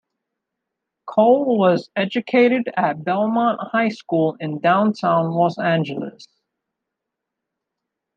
Cole was educated at Belmont High School in Downtown Los Angeles.